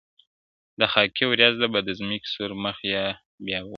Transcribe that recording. دا خاکي وريځه به د ځمکي سور مخ بيا وپوښي